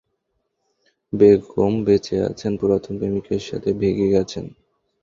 বেগম বেঁচে আছেন, পুরাতন প্রেমিকের সাথে ভেগে গেছেন।